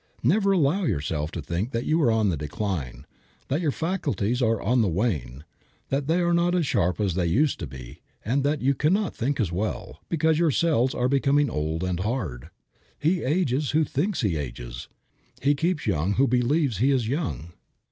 Never allow yourself to think that you are on the decline, that your faculties are on the wane, that they are not as sharp as they used to be and that you cannot think as well, because your cells are becoming old and hard. He ages who thinks he ages. He keeps young who believes he is young.